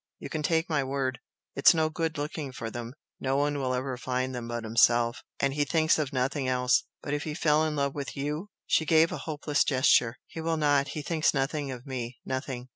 You can take my word! It's no good looking for them, no one will ever find them but himself, and he thinks of nothing else. But if he fell in love with YOU " She gave a hopeless gesture. "He will not he thinks nothing of me nothing!